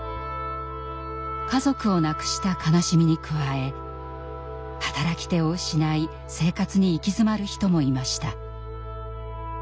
家族を亡くした悲しみに加え働き手を失い生活に行き詰まる人もいました。